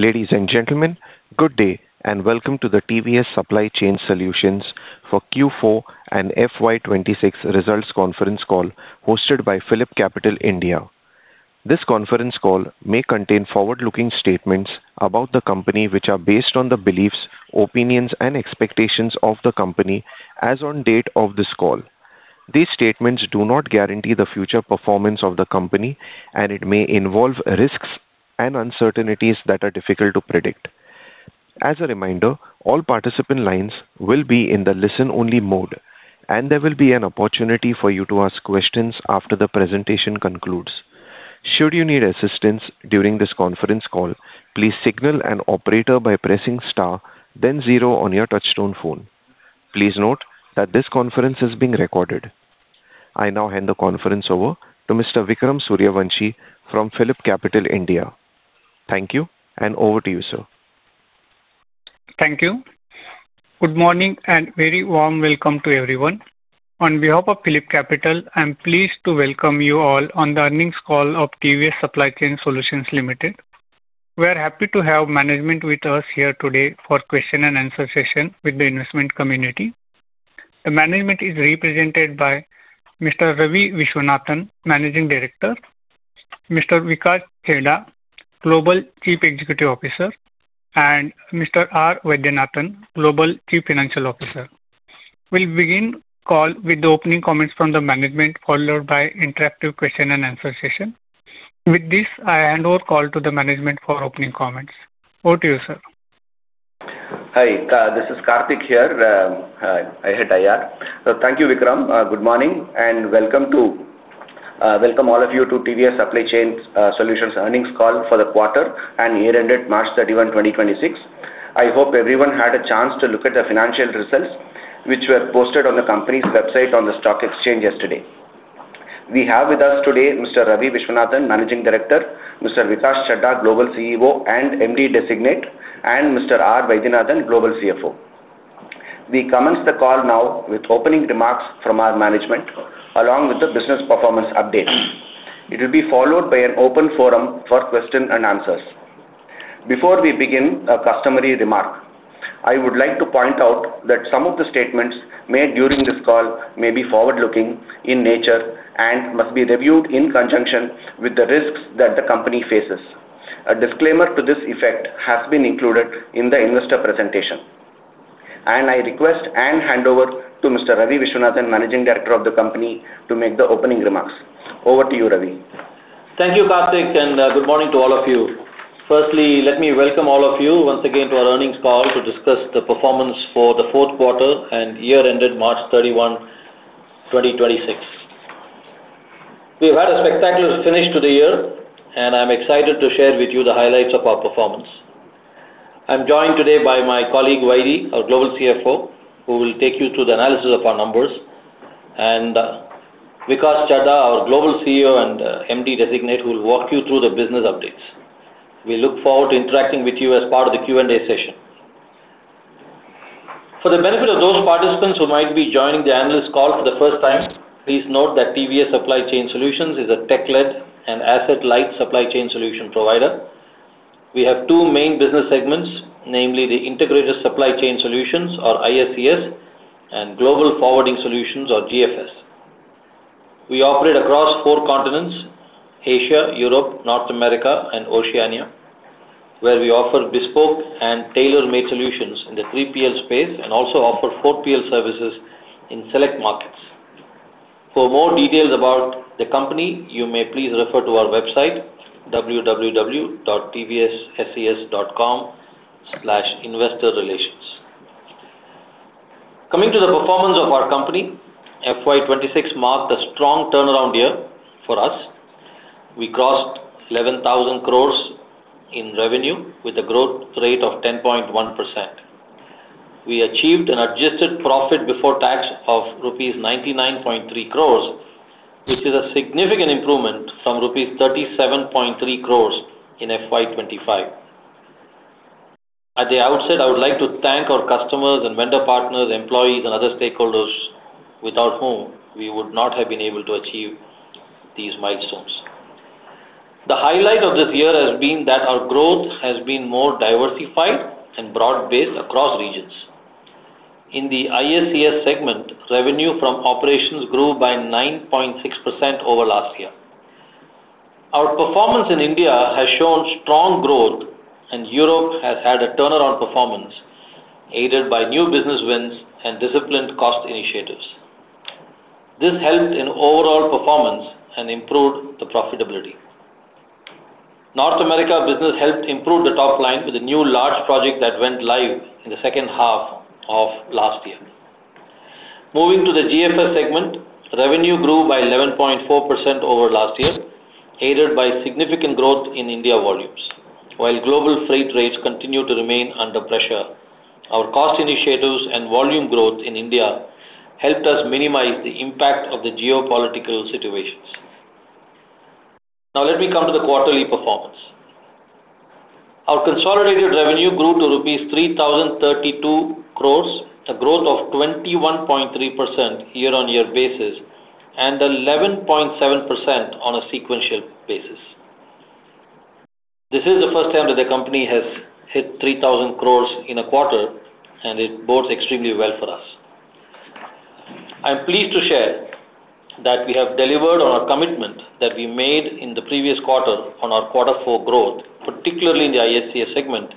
Ladies and gentlemen, good day and welcome to the TVS Supply Chain Solutions for Q4 and FY 2026 results conference call hosted by PhillipCapital India. This conference call may contain forward-looking statements about the company, which are based on the beliefs, opinions, and expectations of the company as on date of this call. These statements do not guarantee the future performance of the company, and it may involve risks and uncertainties that are difficult to predict. As a reminder, all participant lines will be in the listen-only mode, and there will be an opportunity for you to ask questions after the presentation concludes. Should you need assistance during this conference call, please signal an operator by pressing star then zero on your touchtone phone. Please note that this conference is being recorded. I now hand the conference over to Mr. Vikram Suryavanshi from PhillipCapital India. Thank you, and over to you, sir. Thank you. Good morning and a very warm welcome to everyone. On behalf of PhillipCapital, I'm pleased to welcome you all on the earnings call of TVS Supply Chain Solutions Limited. We are happy to have management with us here today for question and answer session with the investment community. The management is represented by Mr. Ravi Viswanathan, Managing Director, Mr. Vikas Chadha, Global Chief Executive Officer, and Mr. R. Vaidhyanathan, Global Chief Financial Officer. We'll begin the call with the opening comments from the management, followed by interactive question and answer session. With this, I hand over the call to the management for opening comments. Over to you, sir. Hi, this is Karthik here, head of IR. Thank you, Vikram. Good morning and welcome all of you to TVS Supply Chain Solutions earnings call for the quarter and year ended March 31, 2026. I hope everyone had a chance to look at the financial results, which were posted on the company's website on the stock exchange yesterday. We have with us today Mr. Ravi Viswanathan, Managing Director, Mr. Vikas Chadha, Global CEO and MD Designate, and Mr. R. Vaidhyanathan, Global CFO. We commence the call now with opening remarks from our management along with the business performance update. It will be followed by an open forum for questions and answers. Before we begin, a customary remark. I would like to point out that some of the statements made during this call may be forward-looking in nature and must be reviewed in conjunction with the risks that the company faces. A disclaimer to this effect has been included in the investor presentation. I request and hand over to Mr. Ravi Viswanathan, Managing Director of the company, to make the opening remarks. Over to you, Ravi. Thank you, Karthik, and good morning to all of you. Let me welcome all of you once again to our earnings call to discuss the performance for the fourth quarter and year ended March 31, 2026. We've had a spectacular finish to the year, and I'm excited to share with you the highlights of our performance. I'm joined today by my colleague, Vaidhy, our Global CFO, who will take you through the analysis of our numbers, and Vikas Chadha, our Global CEO and MD Designate, who will walk you through the business updates. We look forward to interacting with you as part of the Q&A session. For the benefit of those participants who might be joining the analyst call for the first time, please note that TVS Supply Chain Solutions is a tech-led and asset-light supply chain solution provider. We have two main business segments, namely the Integrated Supply Chain Solutions, or ISCS, and Global Forwarding Solutions, or GFS. We operate across four continents: Asia, Europe, North America, and Oceania, where we offer bespoke and tailor-made solutions in the 3PL space and also offer 4PL services in select markets. For more details about the company, you may please refer to our website, www.tvsscs.com/investorrelations. Coming to the performance of our company, FY 2026 marked a strong turnaround year for us. We crossed 11,000 crore in revenue with a growth rate of 10.1%. We achieved an adjusted profit before tax of rupees 99.3 crore, which is a significant improvement from rupees 37.3 crore in FY 2025. At the outset, I would like to thank our customers and vendor partners, employees, and other stakeholders, without whom we would not have been able to achieve these milestones. The highlight of this year has been that our growth has been more diversified and broad-based across regions. In the ISCS segment, revenue from operations grew by 9.6% over last year. Our performance in India has shown strong growth, and Europe has had a turnaround performance, aided by new business wins and disciplined cost initiatives. This helped in overall performance and improved the profitability. North America business helped improve the top line with a new large project that went live in the second half of last year. Moving to the GFS segment, revenue grew by 11.4% over last year, aided by significant growth in India volumes. While global freight rates continue to remain under pressure, our cost initiatives and volume growth in India helped us minimize the impact of the geopolitical situations. Now, let me come to the quarterly performance. Our consolidated revenue grew to rupees 3,032 crore, a growth of 21.3% year-on-year basis. 11.7% on a sequential basis. This is the first time that the company has hit 3,000 crore in a quarter, and it bodes extremely well for us. I'm pleased to share that we have delivered on our commitment that we made in the previous quarter on our quarter four growth, particularly in the ISCS segment,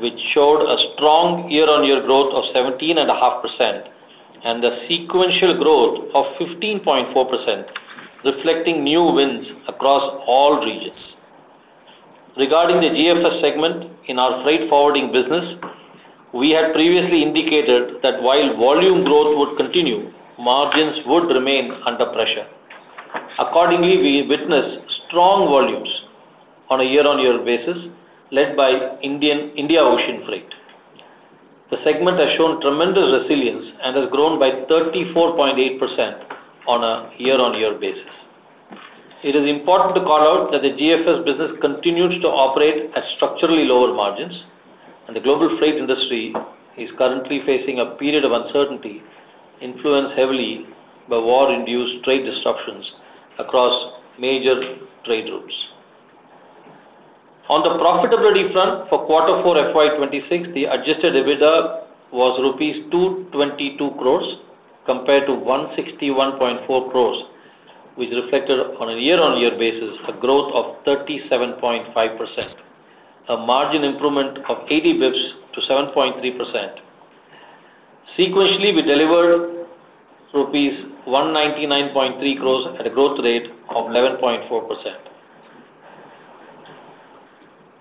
which showed a strong year-on-year growth of 17.5% and a sequential growth of 15.4%, reflecting new wins across all regions. Regarding the GFS segment in our freight forwarding business, we had previously indicated that while volume growth would continue, margins would remain under pressure. Accordingly, we witnessed strong volumes on a year-on-year basis led by India ocean freight. The segment has shown tremendous resilience and has grown by 34.8% on a year-on-year basis. It is important to call out that the GFS business continues to operate at structurally lower margins, and the global freight industry is currently facing a period of uncertainty, influenced heavily by war-induced trade disruptions across major trade routes. On the profitability front for quarter four FY 2026, the adjusted EBITDA was rupees 222 crore compared to 161.4 crore, which reflected on a year-on-year basis a growth of 37.5%. A margin improvement of 80 basis points to 7.3%. Sequentially, we delivered rupees 199.3 crore at a growth rate of 11.4%.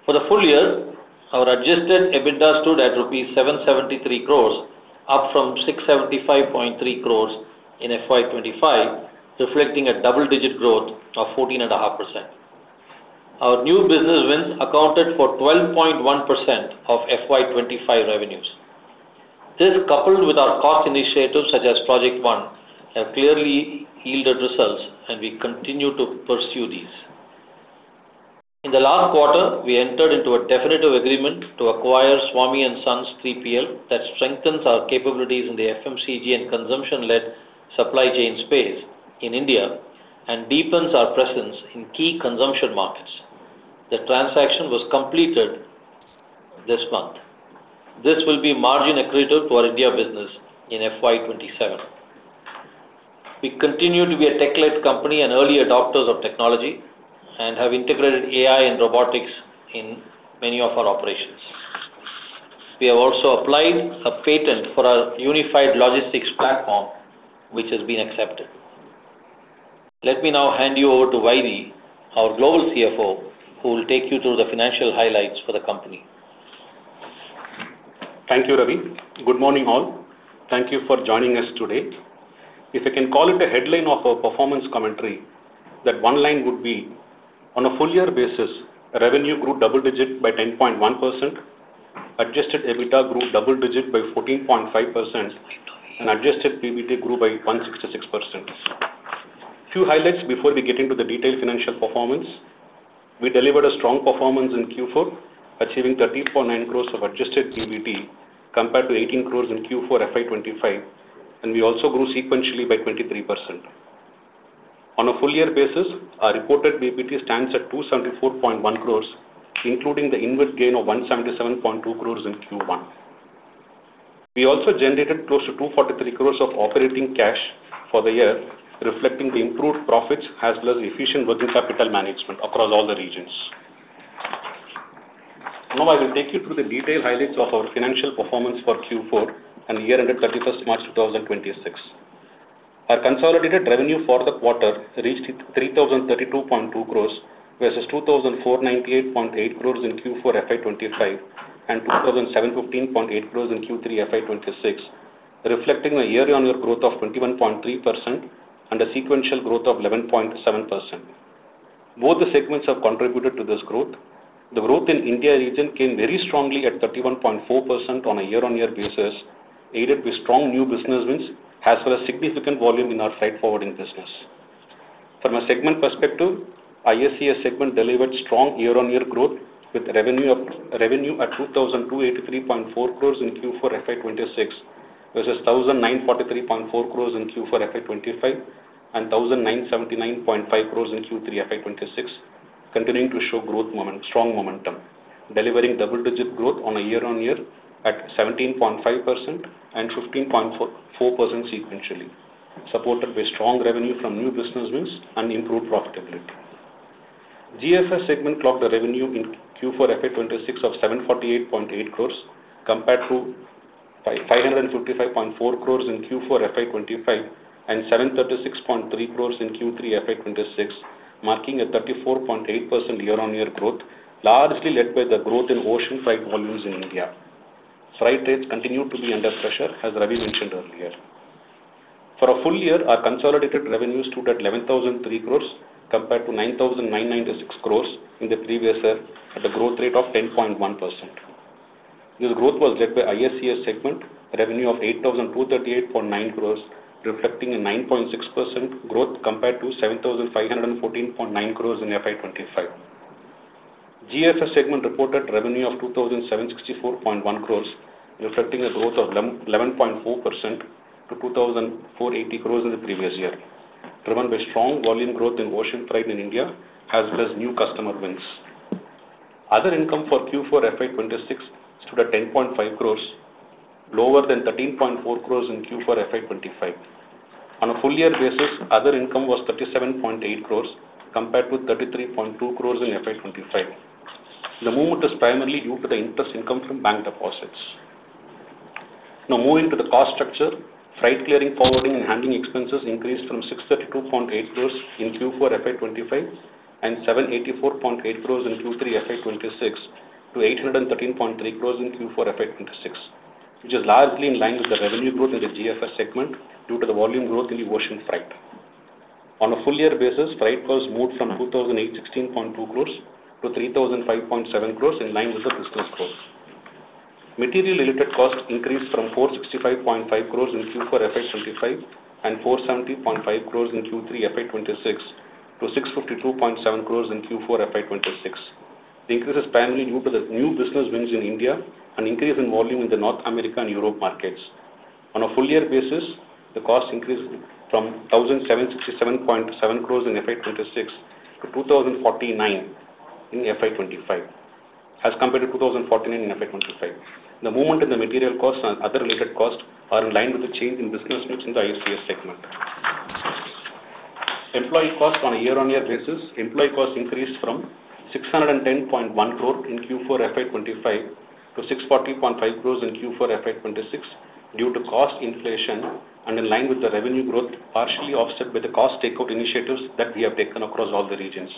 For the full year, our adjusted EBITDA stood at rupees 773 crore, up from 675.3 crore in FY 2025, reflecting a double-digit growth of 14.5%. Our new business wins accounted for 12.1% of FY 2025 revenues. This, coupled with our cost initiatives such as Project One, have clearly yielded results and we continue to pursue these. In the last quarter, we entered into a definitive agreement to acquire Swamy & Sons 3PL. That strengthens our capabilities in the FMCG and consumption-led supply chain space in India and deepens our presence in key consumption markets. The transaction was completed this month. This will be margin accretive to our India business in FY 2027. We continue to be a tech-led company and early adopters of technology and have integrated AI and robotics in many of our operations. We have also applied a patent for our Unified Logistics Platform, which has been accepted. Let me now hand you over to R. Vaidhyanathan, our Global CFO, who will take you through the financial highlights for the company. Thank you, Ravi. Good morning, all. Thank you for joining us today. If I can call it a headline of our performance commentary, that one line would be on a full year basis, revenue grew double digit by 10.1%, adjusted EBITDA grew double digit by 14.5%, and adjusted PBT grew by 1.66%. Few highlights before we get into the detailed financial performance. We delivered a strong performance in Q4, achieving 30.9 crore of adjusted PBT compared to 18 crore in Q4 FY 2025, and we also grew sequentially by 23%. On a full year basis, our reported PBT stands at 274.1 crore, including the inward gain of 177.2 crore in Q1. We also generated close to 243 crore of operating cash for the year, reflecting the improved profits as well as efficient working capital management across all the regions. Now I will take you through the detailed highlights of our financial performance for Q4 and the year ended March 2026. Our consolidated revenue for the quarter reached 3,032.2 crore versus 2,498.8 crore in Q4 FY 2025 and 2,715.8 crore in Q3 FY 2026, reflecting a year-on-year growth of 21.3% and a sequential growth of 11.7%. Both the segments have contributed to this growth. The growth in India region came very strongly at 31.4% on a year-on-year basis, aided with strong new business wins as well as significant volume in our freight forwarding business. From a segment perspective, ISCS segment delivered strong year-on-year growth with revenue at 2,283.4 crore in Q4 FY 2026 versus 1,943.4 crore in Q4 FY 2025 and 1,979.5 crore in Q3 FY 2026, continuing to show strong momentum, delivering double-digit growth on a year-on-year at 17.5% and 15.4% sequentially, supported by strong revenue from new business wins and improved profitability. GFS segment clocked the revenue in Q4 FY 2026 of 748.8 crore compared to 555.4 crore in Q4 FY 2025 and 736.3 crore in Q3 FY 2026, marking a 34.8% year-on-year growth, largely led by the growth in ocean freight volumes in India. Freight rates continued to be under pressure, as Ravi mentioned earlier. For a full year, our consolidated revenues stood at 11,003 crore compared to 9,996 crore in the previous year at a growth rate of 10.1%. This growth was led by ISCS segment revenue of 8,238.9 crore, reflecting a 9.6% growth compared to 7,514.9 crore in FY 2025. GFS segment reported revenue of 2,764.1 crore, reflecting a growth of 11.4% to 2,480 crore in the previous year, driven by strong volume growth in ocean freight in India as well as new customer wins. Other income for Q4 FY 2026 stood at 10.5 crore, lower than 13.4 crore in Q4 FY 2025. On a full year basis, other income was 37.8 crore compared to 33.2 crore in FY 2025. The movement is primarily due to the interest income from bank deposits. Now moving to the cost structure, freight clearing, forwarding and handling expenses increased from 332.8 crore in Q4 FY 2025 and 784.8 crore in Q3 FY 2026 to 813.3 crore in Q4 FY 2026, which is largely in line with the revenue growth in the GFS segment due to the volume growth in the ocean freight. On a full year basis, freight cost moved from 2,816.2 crore- 3,507 crore in nine months of business growth. Material related costs increased from 465.5 crore in Q4 FY 2025 and 470.5 crore in Q3 FY 2026 to 652.7 crore in Q4 FY 2026. The increase is primarily due to the new business wins in India and increase in volume in the North America and Europe markets. On a full year basis, the cost increased from 1,767.7 crore in FY 2026 to 2,049 crore in FY 2025 as compared to 2,049 crore in FY 2025. The movement in the material costs and other related costs are in line with the change in business mix in the ISCS segment. Employee cost on a year-on-year basis, employee cost increased from 610.1 crore in Q4 FY 2025 to 640.5 crore in Q4 FY 2026 due to cost inflation and in line with the revenue growth, partially offset by the cost takeout initiatives that we have taken across all the regions.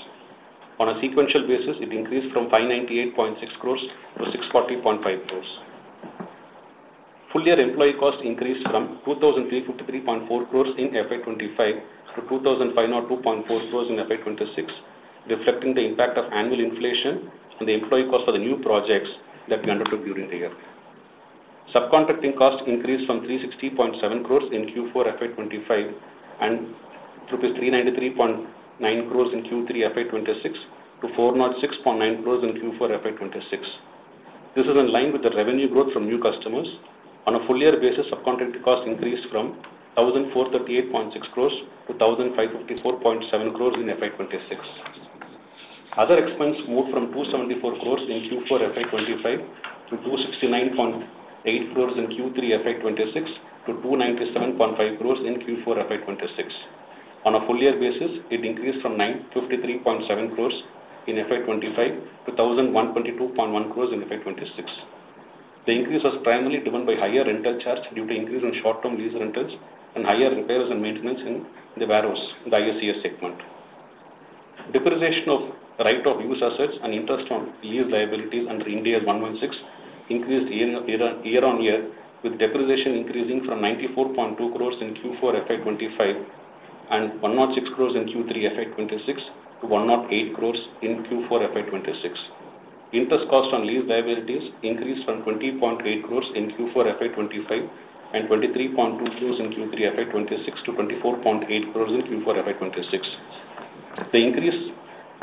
On a sequential-basis, it increased from 598.6 crore- 640.5 crore. Full year employee cost increased from 2,853.4 crore in FY 2025 to 2,502.4 crore in FY 2026, reflecting the impact of annual inflation and the employee cost of the new projects that we undertook during the year. Subcontracting costs increased from 360.7 crore in Q4 FY 2025 and to rupees 393.9 crore in Q3 FY 2026 to 406.9 crore in Q4 FY 2026. This is in line with the revenue growth from new customers. On a full year basis, subcontracted cost increased from 1,438.6 crore to 1,554.7 crore in FY 2026. Other expense moved from 274 crore in Q4 FY 2025 to 269.8 crore in Q3 FY 2026 to 297.5 crore in Q4 FY 2026. On a full year basis, it increased from 953.7 crore in FY 2025 to 1,022.1 crore in FY 2026. The increase was primarily driven by higher rental charges due to increase in short-term lease rentals and higher repairs and maintenance in the warehouse in the ISCS segment. Depreciation of right of user assets and interest on lease liabilities under Ind AS 116 increased year on year with depreciation increasing from 94.2 crore in Q4 FY 2025 and 106 crore in Q3 FY 2026 to 108 crore in Q4 FY 2026. Interest cost on lease liabilities increased from 20.8 crore in Q4 FY 2025 and 23.2 crore in Q3 FY 2026 to 24.8 crore in Q4 FY 2026. The increase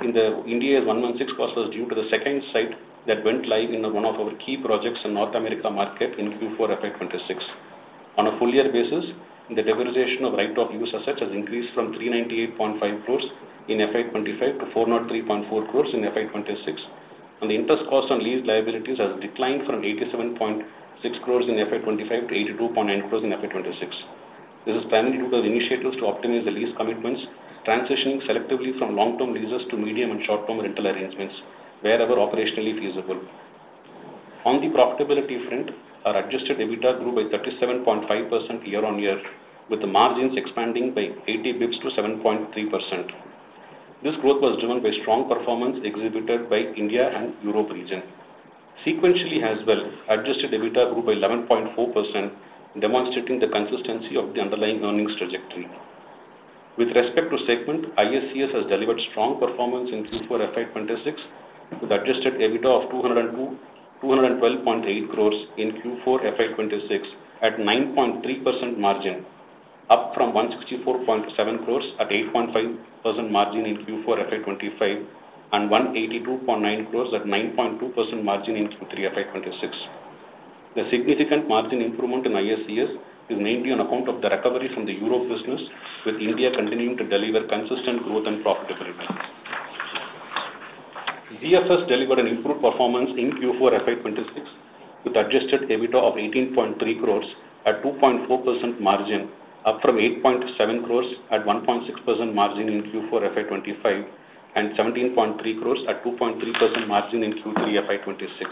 in the Ind AS 116 cost was due to the second site that went live in one of our key projects in North America market in Q4 FY 2026. On a full year basis, the depreciation of right of user assets has increased from 398.5 crore in FY 2025 to 403.4 crore in FY 2026. The interest cost on lease liabilities has declined from 87.6 crore in FY 2025 to 82.9 crore in FY 2026. This is primarily due to initiatives to optimize the lease commitments, transitioning selectively from long-term leases to medium and short-term rental arrangements wherever operationally feasible. On the profitability front, our adjusted EBITDA grew by 37.5% year-on-year, with the margins expanding by 80 basis points to 7.3%. This growth was driven by strong performance exhibited by India and Europe region. Sequentially as well, adjusted EBITDA grew by 11.4%, demonstrating the consistency of the underlying earnings trajectory. With respect to segment, ISCS has delivered strong performance in Q4 FY 2026 with adjusted EBITDA of 212.8 crore in Q4 FY 2026 at 9.3% margin up from 164.7 crore at 8.5% margin in Q4 FY 2025 and 182.9 crore at 9.2% margin in Q3 FY 2026. The significant margin improvement in ISCS is mainly on account of the recovery from the Europe business, with India continuing to deliver consistent growth and profitability. GFS delivered an improved performance in Q4 FY 2026 with adjusted EBITDA of 18.3 crore at 2.4% margin, up from 8.7 crore at 1.6% margin in Q4 FY 2025 and 17.3 crore at 2.3% margin in Q3 FY 2026.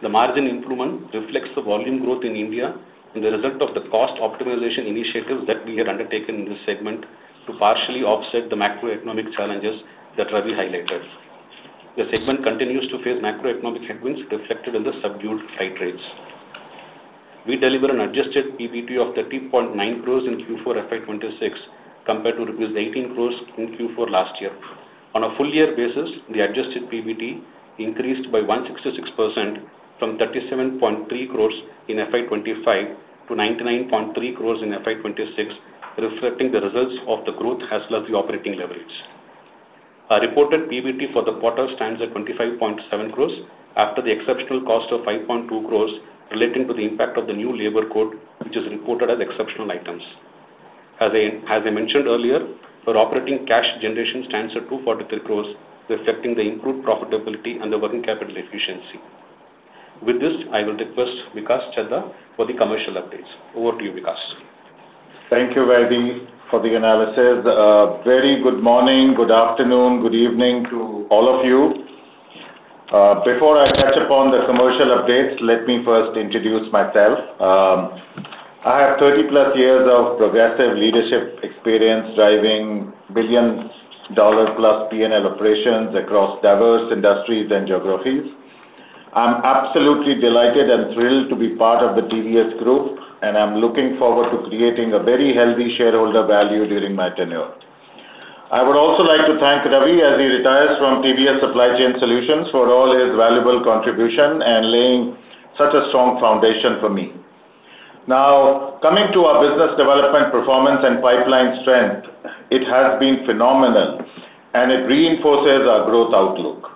The margin improvement reflects the volume growth in India and the result of the cost optimization initiatives that we have undertaken in this segment to partially offset the macroeconomic challenges that Ravi highlighted. The segment continues to face macroeconomic headwinds reflected in the subdued freight rates. We delivered an adjusted PBT of 30.9 crore in Q4 FY 2026 compared to rupees 18 crore in Q4 last year. On a full year basis, the adjusted PBT increased by 166% from 37.3 crore in FY 2025 to 99.3 crore in FY 2026, reflecting the results of the growth as well as the operating leverage. Our reported PBT for the quarter stands at 25.7 crore after the exceptional cost of 5.2 crore relating to the impact of the new labor code, which is reported as exceptional items. As I mentioned earlier, our operating cash generation stands at 243 crore, reflecting the improved profitability and the working capital efficiency. With this, I will request Vikas Chadha for the commercial updates. Over to you, Vikas. Thank you, Vaidhy, for the analysis. A very good morning, good afternoon, good evening to all of you. Before I touch upon the commercial updates, let me first introduce myself. I have 30+ years of progressive leadership experience driving billion-dollar plus P&L operations across diverse industries and geographies. I'm absolutely delighted and thrilled to be part of the TVS Group, and I'm looking forward to creating a very healthy shareholder value during my tenure. I would also like to thank Ravi as he retires from TVS Supply Chain Solutions for all his valuable contribution and laying such a strong foundation for me. Coming to our business development performance and pipeline strength, it has been phenomenal, and it reinforces our growth outlook.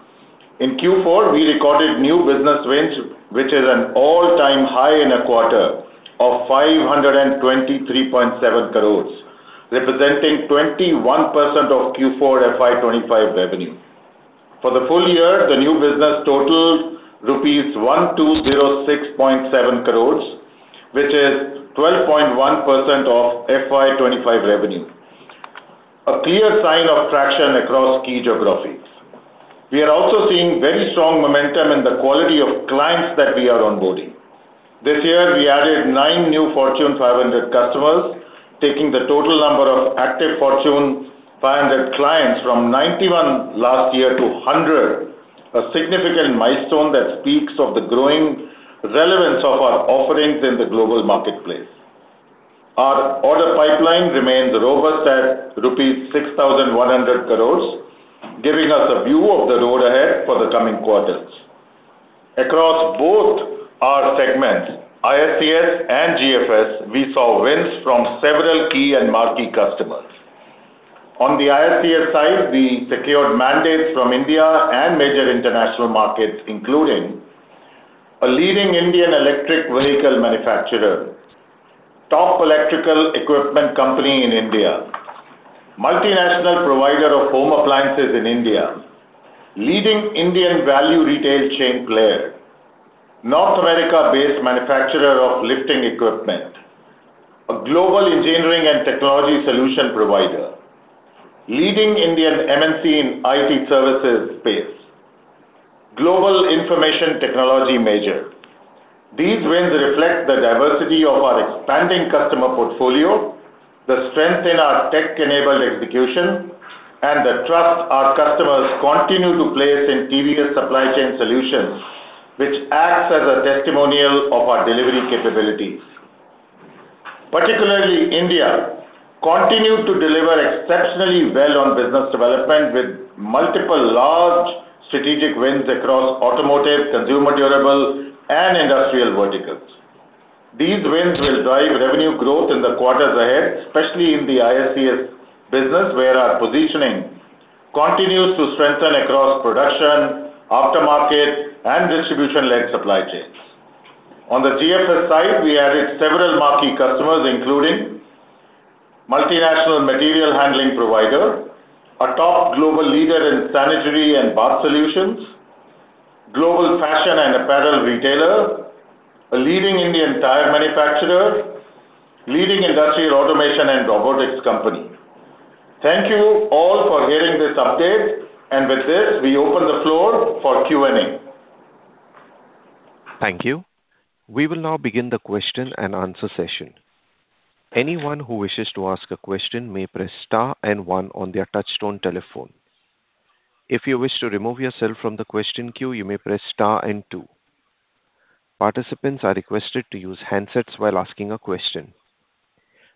In Q4, we recorded new business wins, which is an all-time high in a quarter of 523.7 crore, representing 21% of Q4 FY 2025 revenue. For the full year, the new business totaled rupees 1,206.7 crore, which is 12.1% of FY 2025 revenue, a clear sign of traction across key geographies. We are also seeing very strong momentum in the quality of clients that we are onboarding. This year, we added nine new Fortune 500 customers, taking the total number of active Fortune 500 clients from 91 last year to 100, a significant milestone that speaks of the growing relevance of our offerings in the global marketplace. Our order pipeline remains robust at 6,100 crore rupees, giving us a view of the road ahead for the coming quarters. Across both our segments, ISCS and GFS, we saw wins from several key and marquee customers. On the ISCS side, we secured mandates from India and major international markets, including a leading Indian electric vehicle manufacturer, top electrical equipment company in India, multinational provider of home appliances in India, leading Indian value retail chain player, North America-based manufacturer of lifting equipment, a global engineering and technology solution provider, leading Indian MNC in IT services space, global information technology major. These wins reflect the diversity of our expanding customer portfolio, the strength in our tech-enabled execution, and the trust our customers continue to place in TVS Supply Chain Solutions, which acts as a testimonial of our delivery capabilities. Particularly India continued to deliver exceptionally well on business development with multiple large strategic wins across automotive, consumer durable, and industrial verticals. These wins will drive revenue growth in the quarters ahead, especially in the ISCS business, where our positioning continues to strengthen across production, aftermarket, and distribution-led supply chains. On the GFS side, we added several marquee customers, including multinational material handling provider, a top global leader in sanitary and bath solutions, global fashion and apparel retailer, a leading Indian tire manufacturer, leading industrial automation and robotics company. Thank you all for hearing this update. With this, we open the floor for Q&A. Thank you. We will now begin the question and answer session. Anyone who wishes to ask a question may press star and one on your touchtone telephone. If you wish to remove yourself from the question queue, you may press star and two. Participants are requested to use handsets while asking a question.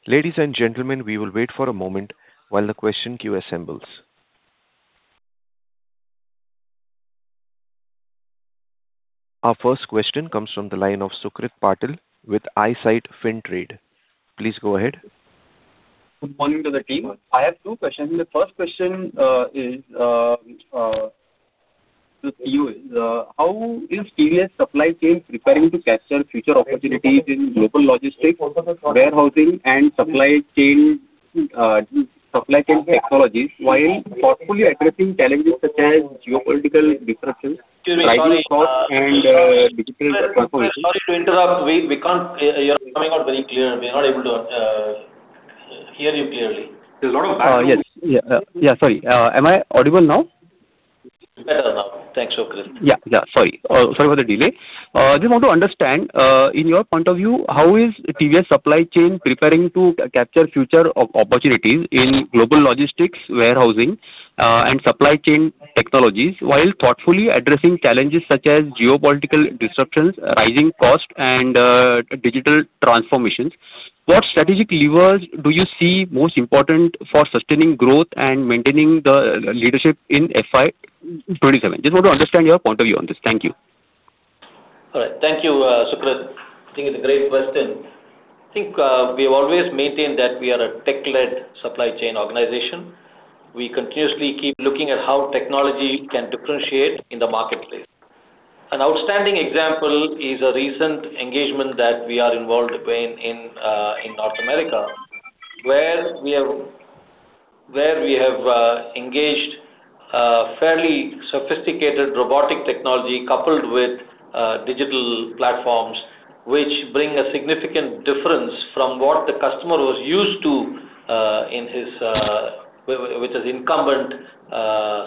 Ladies and gentlemen, we will wait for a moment while the question queue assembles. Our first question comes from the line of Sukrit Patel with Eyesight Fintrade. Please go ahead. Good morning to the team. I have two questions. The first question is, how is TVS Supply Chain preparing to capture future opportunities in global logistics, warehousing, and supply chain technologies while thoughtfully addressing challenges such as geopolitical disruptions, rising costs, and digital transformations? Sorry to interrupt. We can't hear. You're coming out very clear. We're not able to hear you clearly. There's a lot of background noise. Yes. Sorry. Am I audible now? Better now. Thanks, Sukrit. Yeah. Sorry. Sorry for the delay. I just want to understand, in your point of view, how is TVS Supply Chain preparing to capture future opportunities in global logistics, warehousing, and supply chain technologies while thoughtfully addressing challenges such as geopolitical disruptions, rising costs, and digital transformations? What strategic levers do you see most important for sustaining growth and maintaining the leadership in FY 2027? Just want to understand your point of view on this. Thank you. Thank you, Sukrit, for asking a great question. I think we've always maintained that we are a tech-led supply chain organization. We continuously keep looking at how technology can differentiate in the marketplace. An outstanding example is a recent engagement that we are involved in North America, where we have engaged fairly sophisticated robotic technology coupled with digital platforms, which bring a significant difference from what the customer was used to with his incumbent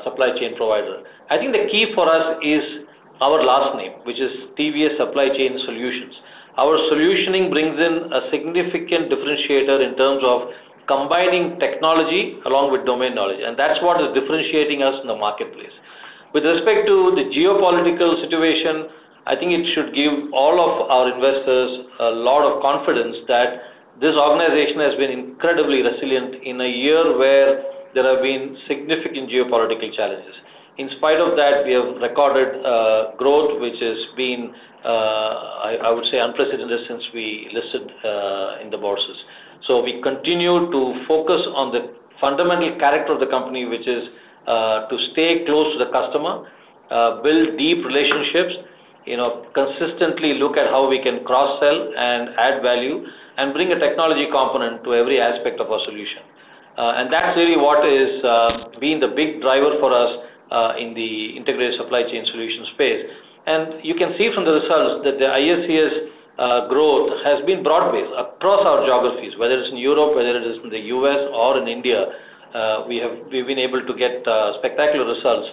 supply chain provider. I think the key for us is our last name, which is TVS Supply Chain Solutions. Our solutioning brings in a significant differentiator in terms of combining technology along with domain knowledge, and that's what is differentiating us in the marketplace. With respect to the geopolitical situation, I think it should give all of our investors a lot of confidence that this organization has been incredibly resilient in a year where there have been significant geopolitical challenges. In spite of that, we have recorded growth, which has been, I would say, unprecedented since we listed in the bourses. We continue to focus on the fundamental character of the company, which is to stay close to the customer, build deep relationships, consistently look at how we can cross-sell and add value, and bring a technology component to every aspect of our solution. That's really what has been the big driver for us in the Integrated Supply Chain Solutions space. You can see from the results that the ISCS growth has been broad-based across our geographies. Whether it's in Europe, whether it is in the U.S. or in India, we've been able to get spectacular results.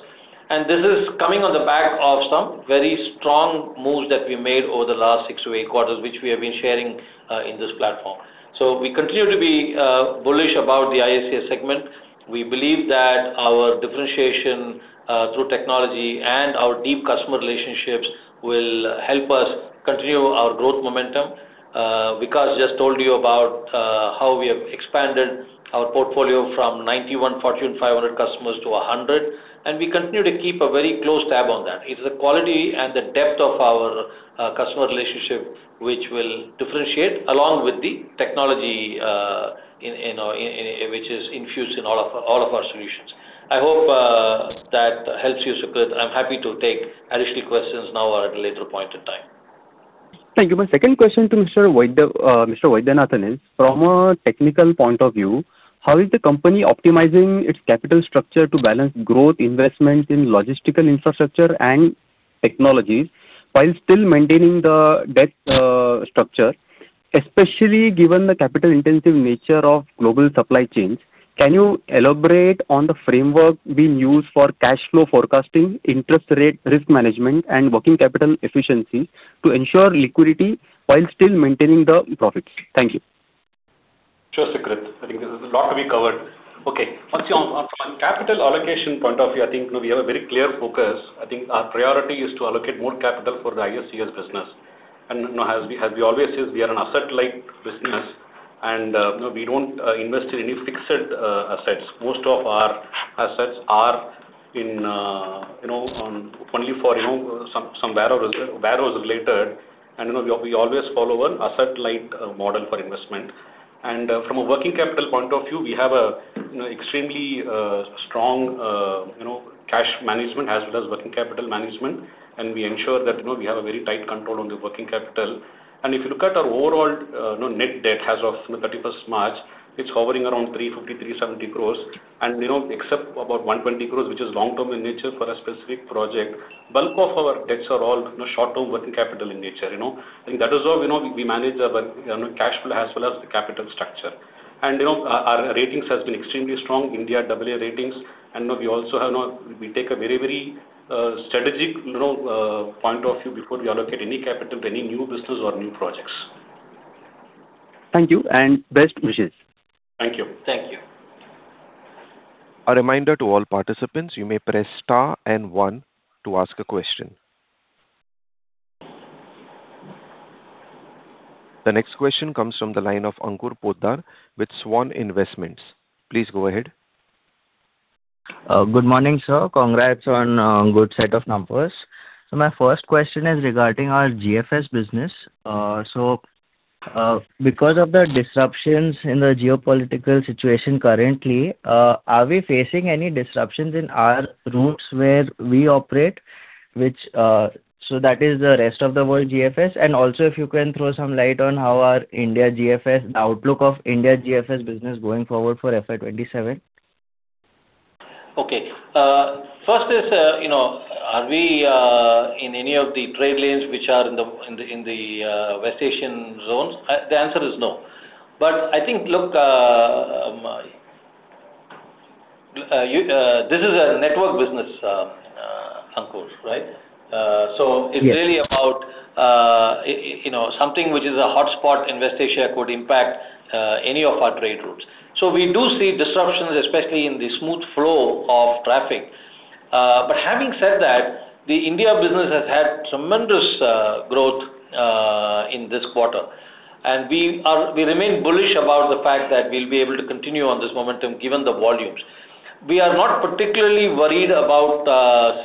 This is coming on the back of some very strong moves that we made over the last six to eight quarters, which we have been sharing in this platform. We continue to be bullish about the ISCS segment. We believe that our differentiation through technology and our deep customer relationships will help us continue our growth momentum. Vikas just told you about how we have expanded our portfolio from 91 Fortune 500 customers to 100, and we continue to keep a very close tab on that. It's the quality and the depth of our customer relationship which will differentiate along with the technology which is infused in all of our solutions. I hope that helps you, Sukrit. I'm happy to take additional questions now or at a later point in time. Thank you. My second question to Mr. Vaidhyanathan is, from a technical point of view, how is the company optimizing its capital structure to balance growth investment in logistical infrastructure and technology while still maintaining the debt structure, especially given the capital-intensive nature of global supply chains? Can you elaborate on the framework being used for cash flow forecasting, interest rate risk management, and working capital efficiency to ensure liquidity while still maintaining the profits? Thank you. Sure, Sukrit. I think there's a lot to be covered. Okay. From a capital allocation point of view, I think we have a very clear focus. I think our priority is to allocate more capital for the ISCS business. As we always say, we are an asset-light business, and we don't invest in any fixed assets. Most of our assets are only for some warehouses related, and we always follow an asset-light model for investment. From a working capital point of view, we have extremely strong cash management as well as working capital management, and we ensure that we have a very tight control on the working capital. If you look at our overall net debt as of March 31st, it's hovering around 350 crore-370 crore, and except about 120 crore, which is long-term in nature for a specific project, bulk of our debts are all short-term working capital in nature. That is how we manage our cash flow as well as the capital structure. Our ratings have been extremely strong, India AA ratings, and we take a very strategic point of view before we allocate any capital to any new business or new projects. Thank you, and best wishes. Thank you. A reminder to all participants, you may press star and one to ask a question. The next question comes from the line of Ankur Poddar with Svan Investments. Please go ahead. Good morning, sir. Congrats on a good set of numbers. My first question is regarding our GFS business. Because of the disruptions in the geopolitical situation currently, are we facing any disruptions in our routes where we operate? That is the rest of the world GFS, and also if you can throw some light on how our India GFS, the outlook of India GFS business going forward for FY 2027. Okay. First is, are we in any of the trade lanes which are in the West Asian zones? The answer is no. I think, look, this is a network business, Ankur, right? Yes. It's really about something which is a hotspot in West Asia could impact any of our trade routes. We do see disruptions, especially in the smooth flow of traffic. Having said that, the India business has had tremendous growth in this quarter, and we remain bullish about the fact that we'll be able to continue on this momentum given the volumes. We are not particularly worried about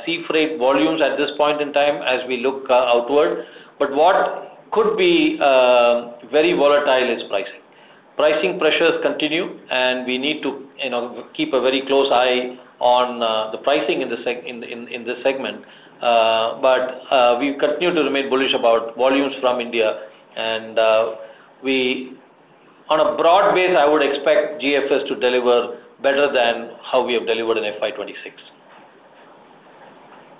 sea freight volumes at this point in time as we look outward, but what could be very volatile is pricing. Pricing pressures continue, and we need to keep a very close eye on the pricing in this segment. We continue to remain bullish about volumes from India, and on a broad base, I would expect GFS to deliver better than how we have delivered in FY 2026.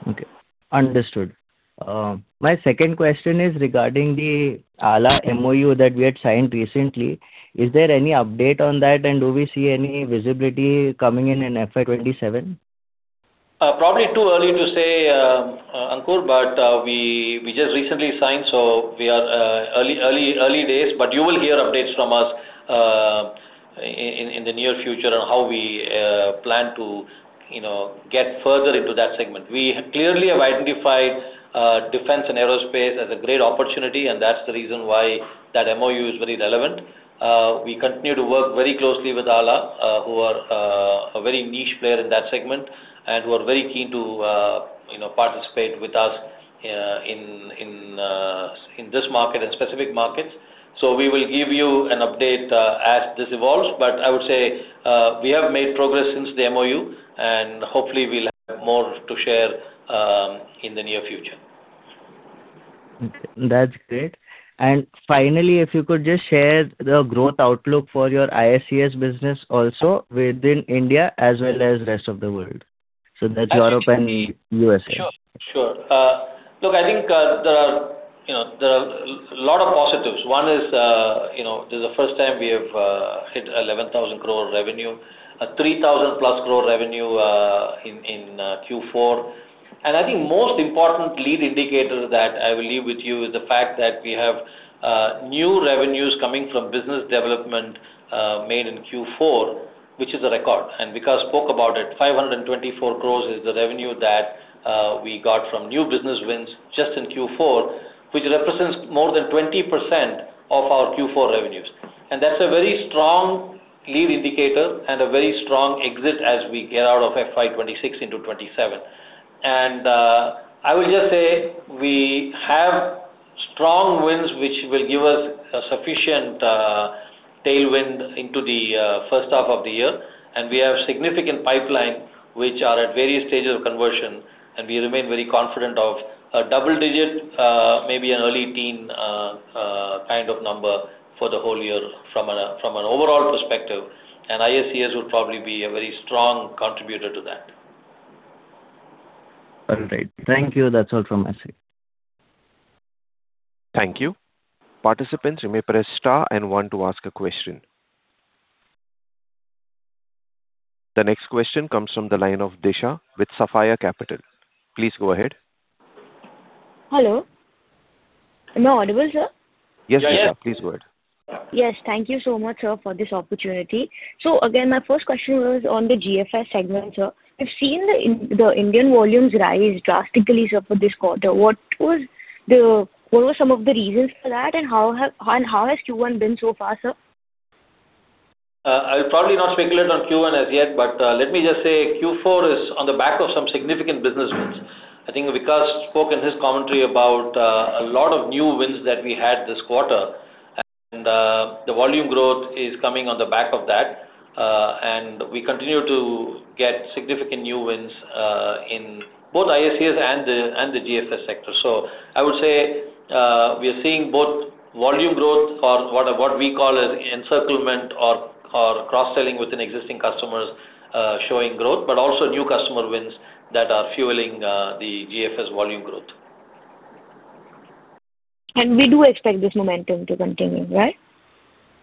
Okay, understood. My second question is regarding the ALA MoU that we had signed recently. Is there any update on that, and do we see any visibility coming in in FY 2027? Probably too early to say, Ankur. We just recently signed, so we are early days. You will hear updates from us in the near future on how we plan to get further into that segment. We clearly have identified defense and aerospace as a great opportunity, and that's the reason why that MoU is very relevant. We continue to work very closely with ALA, who are a very niche player in that segment and who are very keen to participate with us in this market and specific markets. We will give you an update as this evolves. I would say we have made progress since the MoU, and hopefully we'll have more to share in the near future. Okay, that's great. Finally, if you could just share the growth outlook for your ISCS business also within India as well as rest of the world. That's Europe and USA. Sure. Look, I think there are a lot of positives. One is this is the first time we have hit 11,000 crore revenue, 3,000+ crore revenue in Q4. I think most important lead indicator that I will leave with you is the fact that we have new revenues coming from business development made in Q4, which is a record. Vikas spoke about it, 524 crore is the revenue that we got from new business wins just in Q4, which represents more than 20% of our Q4 revenues. That's a very strong lead indicator and a very strong exit as we get out of FY 2026 into FY 2027. I would just say we have strong wins, which will give us a sufficient tailwind into the first half of the year. We have significant pipeline, which are at various stages of conversion. We remain very confident of a double digit, maybe an early teen kind of number for the whole year from an overall perspective. ISCS will probably be a very strong contributor to that. All right. Thank you. That's all from my side. Thank you. Participants, you may press star and one to ask a question. The next question comes from the line of Disha with Sapphire Capital. Please go ahead. Hello. Am I audible, sir? Yes, Disha, please go ahead. Yes. Thank you so much, sir, for this opportunity. Again, my first question was on the GFS segment, sir. We've seen the Indian volumes rise drastically, sir, for this quarter. What were some of the reasons for that, and how has Q1 been so far, sir? I'll probably not speculate on Q1 as yet, but let me just say Q4 is on the back of some significant business wins. I think Vikas spoke in his commentary about a lot of new wins that we had this quarter, and the volume growth is coming on the back of that. We continue to get significant new wins in both ISCS and the GFS sector. I would say we are seeing both volume growth for what we call as encirclement or cross-selling within existing customers showing growth, but also new customer wins that are fueling the GFS volume growth. We do expect this momentum to continue, right?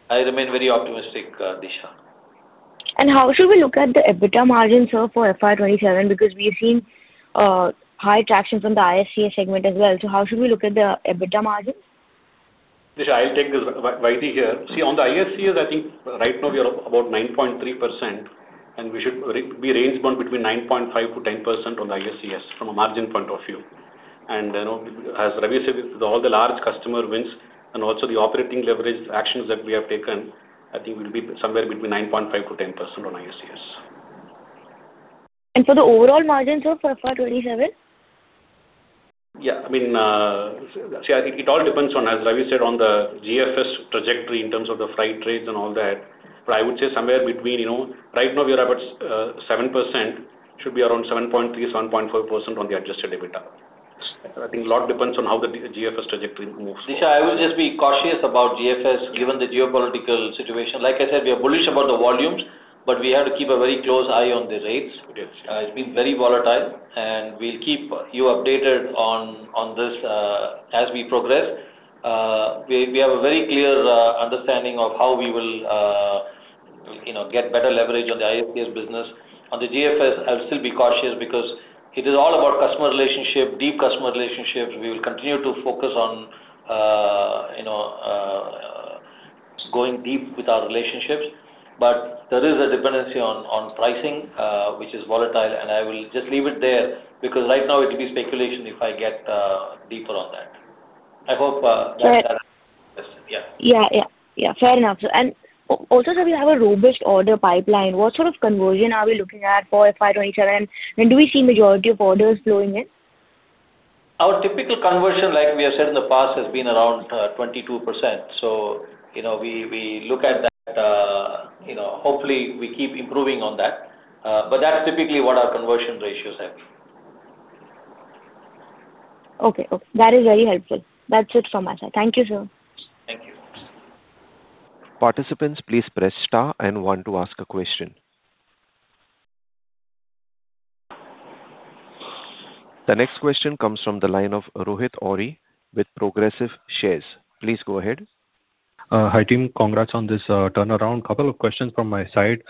I remain very optimistic, Disha. How should we look at the EBITDA margin, sir, for FY 2027? We've seen high tractions on the ISCS segment as well. How should we look at the EBITDA margin? Disha, I'll take this right here. On the ISCS, I think right now we are up about 9.3%, we should be range bound between 9.5%-10% on ISCS from a margin point of view. As Ravi said, with all the large customer wins and also the operating leverage actions that we have taken, I think we'll be somewhere between 9.5%-10% on ISCS. For the overall margin, sir, for FY 2027? Yeah. It all depends on, as Ravi said, on the GFS trajectory in terms of the freight rates and all that. Right now, we're about 7%, should be around 7.3%, 7.5% on the adjusted EBITDA. I think a lot depends on how the GFS trajectory moves forward. Disha, I would just be cautious about GFS given the geopolitical situation. Like I said, we are bullish about the volumes, but we have to keep a very close eye on the rates. It's been very volatile, and we'll keep you updated on this as we progress. We have a very clear understanding of how we will get better leverage on the ISCS business. On the GFS, I'll still be cautious because it is all about customer relationship, deep customer relationships. Going deep with our relationships. There is a dependency on pricing, which is volatile, and I will just leave it there because right now it'll be speculation if I get deeper on that. Yeah. Fair enough. Also since you have a robust order pipeline, what sort of conversion are we looking at for FY 2027? When do we see majority of orders flowing in? Our typical conversion, like we have said in the past, has been around 22%. We look at that. Hopefully, we keep improving on that. That's typically what our conversion ratios have been. Okay. That is very helpful. That's it from my side. Thank you, sir. Thank you. Participants please press star and one to ask a question. The next question comes from the line of Rohit Ohri with Progressive Shares. Please go ahead. Hi, team. Congrats on this turnaround. A couple of questions from my side.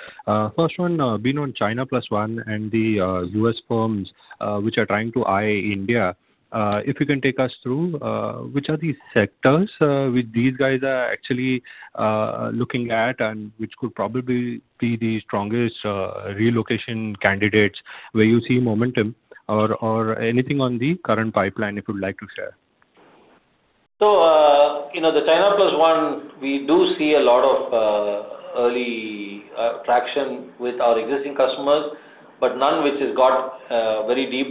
First one, being on China Plus One and the U.S. firms which are trying to eye India, if you can take us through which are the sectors which these guys are actually looking at, and which could probably be the strongest relocation candidates where you see momentum or anything on the current pipeline you would like to share. The China Plus One, we do see a lot of early traction with our existing customers, but none which has got very deep.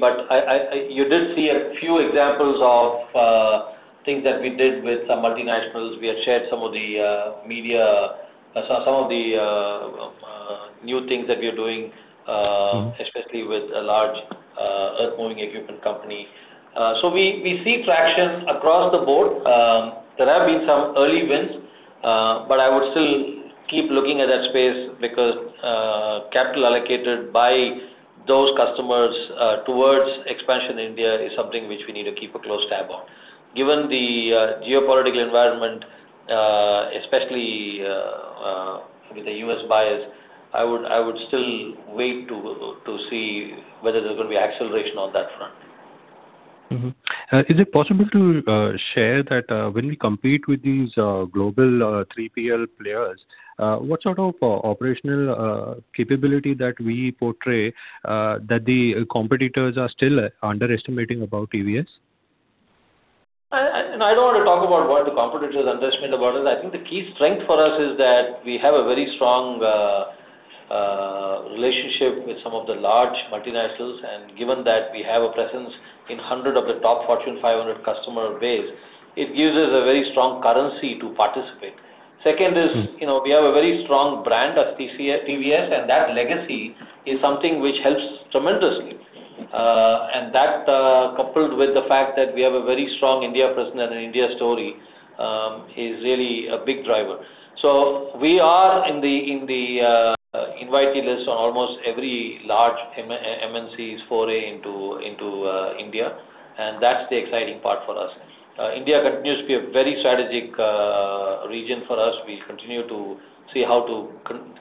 You did see a few examples of things that we did with some multinationals. Some of the new things that we are doing especially with a large earthmoving equipment company. We see traction across the board. There have been some early wins, but I would still keep looking at that space because capital allocated by those customers, towards expansion India is something which we need to keep a close tab on. Given the geopolitical environment, especially with the U.S. buyers, I would still wait to see whether there's going to be acceleration on that front. Mm-hmm. Is it possible to share that when we compete with these global 3PL players, what sort of operational capability that we portray that the competitors are still underestimating about TVS? I don't want to talk about what the competitors are underestimating about us. I think the key strength for us is that we have a very strong relationship with some of the large multinationals, and given that we have a presence in 100 of the top Fortune 500 customer base, it gives us a very strong currency to participate. Second is, we have a very strong brand of TVS, that legacy is something which helps tremendously. That, coupled with the fact that we have a very strong India presence and an India story, is really a big driver. We are in the invite list of almost every large MNC's foray into India, and that's the exciting part for us. India continues to be a very strategic region for us. We continue to see how to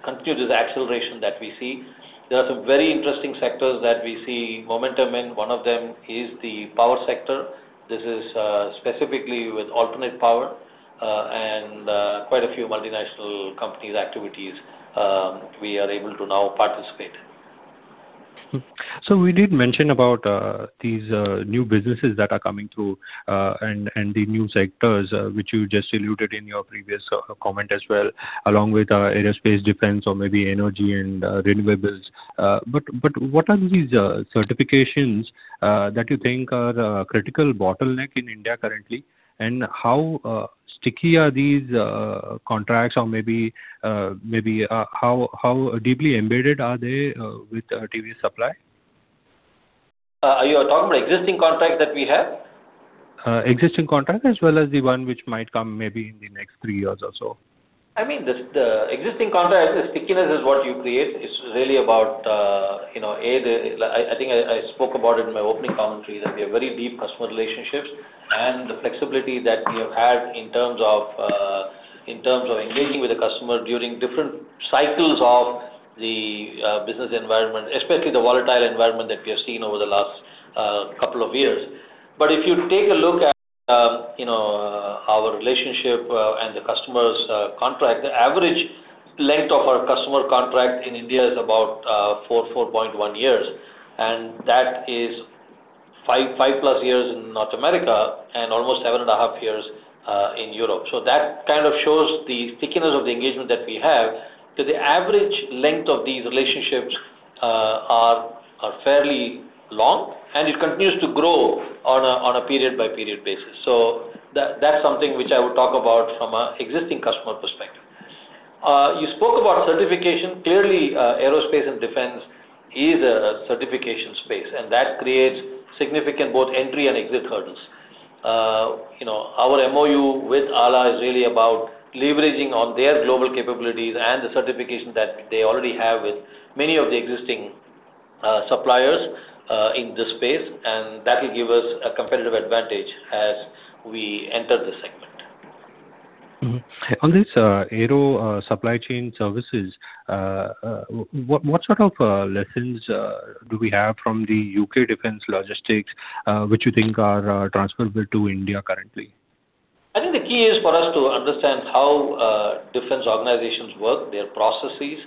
continue this acceleration that we see. There are some very interesting sectors that we see momentum in. One of them is the power sector. This is specifically with alternate power and quite a few multinational company's activities we are able to now participate. We did mention about these new businesses that are coming through, and the new sectors which you just alluded in your previous comment as well, along with aerospace defense or maybe energy and renewables. What are these certifications that you think are the critical bottleneck in India currently? How sticky are these contracts or maybe how deeply embedded are they with TVS Supply? Are you talking about existing contracts that we have? Existing contracts as well as the one which might come maybe in the next three years or so. The existing contracts, the stickiness is what you create. It is really about, I think I spoke about it in my opening commentary, that we have very deep customer relationships and the flexibility that we have had in terms of engaging with the customer during different cycles of the business environment, especially the volatile environment that we have seen over the last couple of years. If you take a look at our relationship and the customer's contract, the average length of our customer contract in India is about 4.1 years, and that is five plus years in North America and almost seven and a half years in Europe. That kind of shows the stickiness of the engagement that we have, that the average length of these relationships are fairly long, and it continues to grow on a period-by-period basis. That's something which I would talk about from an existing customer perspective. You spoke about certification. Clearly, aerospace and defense is a certification space, and that creates significant both entry and exit hurdles. Our MoU with ALA is really about leveraging on their global capabilities and the certification that they already have with many of the existing suppliers in this space, and that will give us a competitive advantage as we enter this segment. On this aero supply chain services, what sort of lessons do we have from the U.K. defense logistics, which you think are transferable to India currently? I think the key is for us to understand how defense organizations work, their processes,